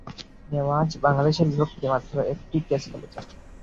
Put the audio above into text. নেওয়াজ বাংলাদেশের বিপক্ষে মাত্র একটি টেস্ট খেলেছেন।